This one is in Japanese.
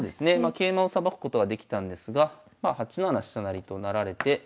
桂馬をさばくことはできたんですが８七飛車成となられて。